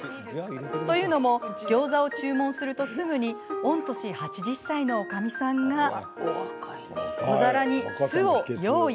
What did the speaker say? というのもギョーザを注文するとすぐに御年８０歳のおかみさんが小皿に酢を用意。